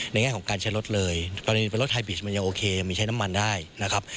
แง่ของการใช้รถเลยกรณีเป็นรถไฮบิชมันยังโอเคมีใช้น้ำมันได้นะครับ